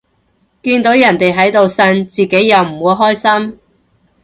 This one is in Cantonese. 見到人哋喺度呻，自己又唔會開心